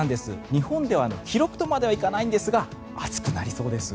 日本では記録とまでは言いませんが暑くなりそうです。